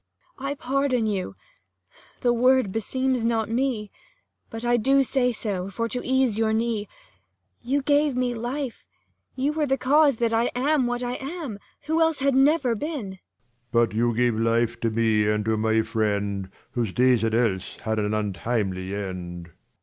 Cor. I pardon you : the word beseems not me : But I do say so, for to ease your knee ; You gave me life, you were the cause that I Am what I am, who else had never been, j Leir. But you gave life to me and to my friend, 215 Whose days had else had an untimely end.